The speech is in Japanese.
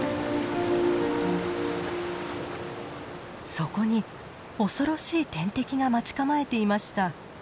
そこに恐ろしい天敵が待ち構えていました。